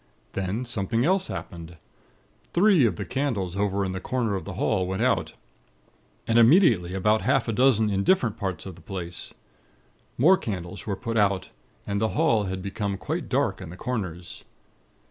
Then something else happened. Three of the candles over in the corner of the hall went out; and immediately about half a dozen in different parts of the place. More candles were put out, and the hall had become quite dark in the corners.